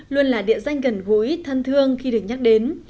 luôn là địa danh gần gối thân thương khi được nhắc đến